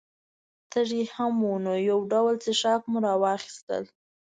تږي هم وو، نو یو ډول څښاک مو را واخیستل.